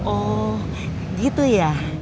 oh gitu ya